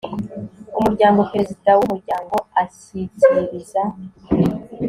Umuryango Perezida w Umuryango ashyikiriza